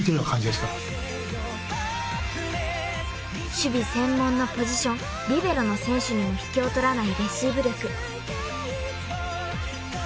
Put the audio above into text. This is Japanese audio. ［守備専門のポジションリベロの選手にも引けを取らないレシーブ力］